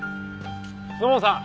土門さん！